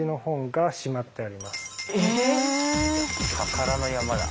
宝の山だ。